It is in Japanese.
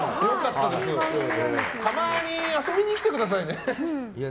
たまに遊びに来てくださいね。